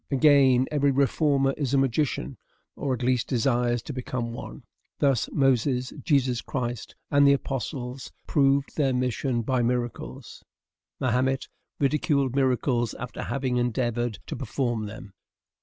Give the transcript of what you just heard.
Again, every reformer is a magician, or at least desires to become one. Thus Moses, Jesus Christ, and the apostles, proved their mission by miracles. Mahomet ridiculed miracles after having endeavored to perform them.